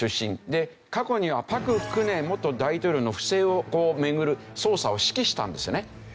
で過去にはパク・クネ元大統領の不正を巡る捜査を指揮したんですよね。